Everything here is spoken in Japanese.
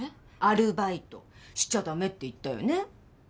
アルバイトしちゃ駄目って言ったよね？